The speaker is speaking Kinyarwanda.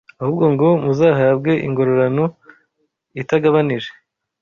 ahubwo ngo muzahabwe ingororano itagabanije